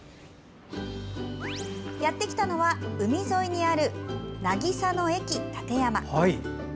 やってきたのは、海沿いにある渚の駅たてやま。